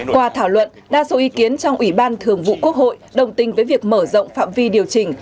qua thảo luận đa số ý kiến trong ủy ban thường vụ quốc hội đồng tình với việc mở rộng phạm vi điều chỉnh